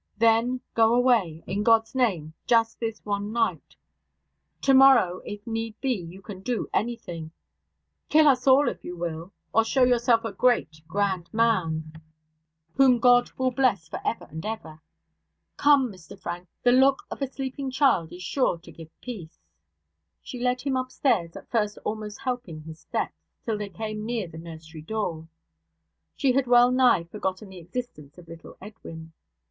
Then go away, in God's name, just this one night; tomorrow, if need be, you can do anything kill us all if you will, or show yourself a great, grand man, whom God will bless for ever and ever. Come, Mr Frank, the look of a sleeping child is sure to give peace.' She led him upstairs; at first almost helping his steps, till they came near the nursery door. She had wellnigh forgotten the existence of little Edwin.